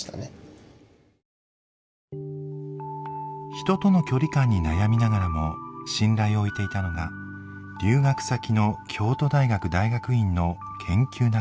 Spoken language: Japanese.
人との距離感に悩みながらも信頼を置いていたのが留学先の京都大学大学院の研究仲間でした。